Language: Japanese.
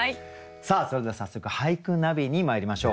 さあそれでは早速「俳句ナビ」にまいりましょう。